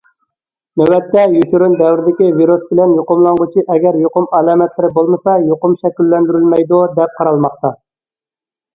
نۆۋەتتە، يوشۇرۇن دەۋردىكى ۋىرۇس بىلەن يۇقۇملانغۇچى ئەگەر يۇقۇم ئالامەتلىرى بولمىسا يۇقۇم شەكىللەندۈرەلمەيدۇ، دەپ قارالماقتا.